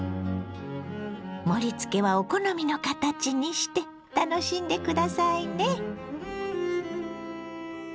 盛りつけはお好みの形にして楽しんで下さいね。